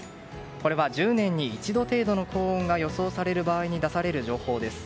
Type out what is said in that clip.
これは１０年に一度程度の高温が予想される場合に出される情報です。